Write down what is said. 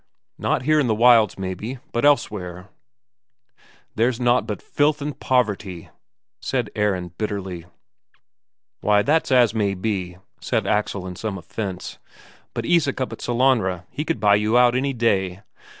"Not here in the wilds, maybe, but elsewhere." "Here's naught but filth and poverty," said Aron bitterly. "Why, that's as it may be," said Axel in some offence. "But Isak up at Sellanraa he could buy you out any day."